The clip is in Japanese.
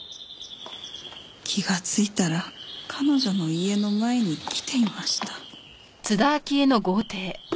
気がついたら彼女の家の前に来ていました。